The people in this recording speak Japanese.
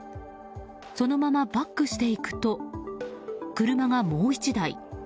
そのままバックしていくと車がもう１台。